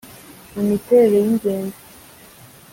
mu miterere y’ingenzi.